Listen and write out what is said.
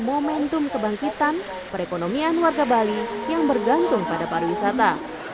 momentum kebangkitan perekonomian warga bali yang bergantung pada pariwisata